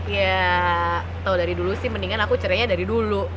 ya tau dari dulu sih mendingan aku cerainya dari dulu